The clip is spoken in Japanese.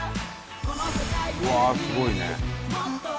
うわあすごいね。